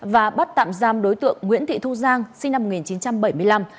và bắt tạm giam đối tượng nguyễn thị thu giang sinh năm một nghìn chín trăm bảy mươi năm